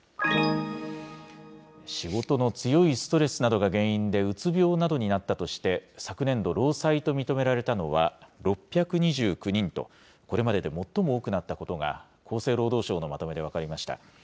仕事の強いストレスなどが原因でうつ病などになったとして、昨年度労災と認められたのは、６２９人と、これまでで最も多くなったことが、厚生労働省のまとめで分かりました。